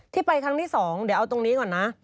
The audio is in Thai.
ไปครั้งที่๒เดี๋ยวเอาตรงนี้ก่อนนะ